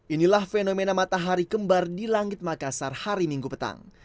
inilah fenomena matahari kembar di langit makassar hari minggu petang